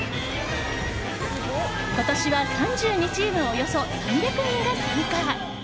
今年は３２チームおよそ３００人が参加。